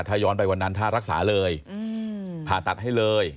ถ้าย้อนไปวันนั้นถ้ารักษาเลยผ่าตัดให้เลย